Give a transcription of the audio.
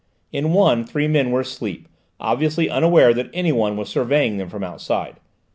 In one, three men were asleep, obviously unaware that anyone was surveying them from outside.